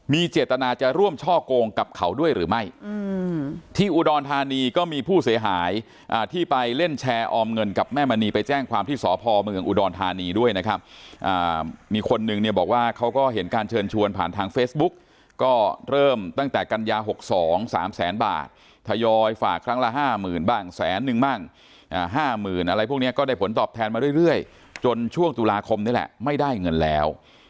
มีเจตนาจะร่วมช่อกงกับเขาด้วยหรือไม่อืมที่อุดรธานีก็มีผู้เสียหายอ่าที่ไปเล่นแชร์ออมเงินกับแม่มณีไปแจ้งความที่สอบภอมเมืองอุดรธานีด้วยนะครับอ่ามีคนหนึ่งเนี่ยบอกว่าเขาก็เห็นการเชิญชวนผ่านทางเฟสบุ๊กก็เริ่มตั้งแต่กัญญาหกสองสามแสนบาทถยอยฝากครั้งละห้าหมื่นบ้างแสนนึ